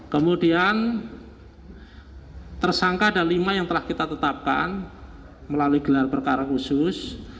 kemudian tersangka ada lima yang telah kita tetapkan melalui gelar perkara khusus